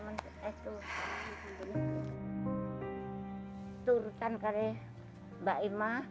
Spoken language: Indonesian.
menurut mbak ima